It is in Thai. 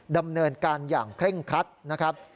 ดำเนินการอย่างเคร่งครัดนะครับ